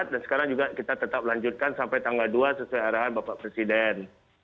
dan sekarang juga kita tetap lanjutkan sampai tanggal dua sesuai arahan bapak presiden